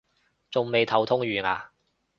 仲未頭痛完啊？